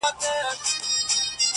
د مور ملوکي سرې دي نوکي-